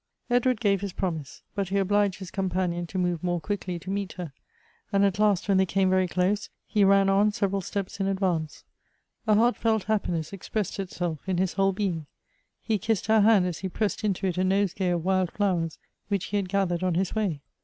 Edward gave his promise ; but he obliged his companion to move more quickly to meet her ; and at last, when they came very close, he ran on several steps in advance. A heartfelt happiness expressed itself in his whole being. He kissed her hand as he pressed into it a nosegay of wild flowers, which he had gathered on his way.